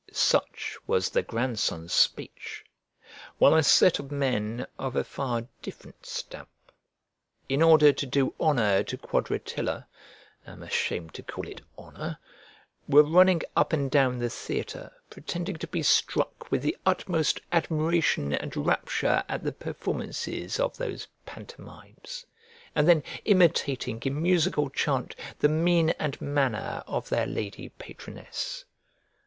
Such was the grandson's speech! while a set of men of a far different stamp, in order to do honour to Quadratilla (am ashamed to call it honour), were running up and down the theatre, pretending to be struck with the utmost admiration and rapture at the performances of those pantomimes, and then imitating in musical chant the mien and manner of their lady patroness.